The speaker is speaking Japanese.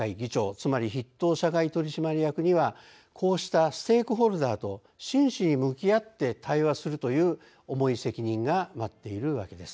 つまり筆頭社外取締役にはこうしたステークホルダーと真摯に向き合って対話するという重い責任が待っているわけです。